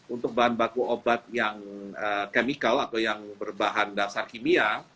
untuk bahan baku obat yang chemical atau yang berbahan dasar kimia